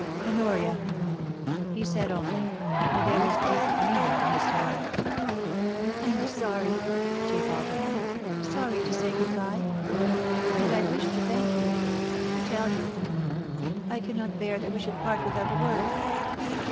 * Honoria !' he said only, but there was deep meaning in his tone. * I am sorry,' she' faltered, —* sorry to say good bye. ... And I wish to thank you — to tell you — I cannot bear that we should part without a word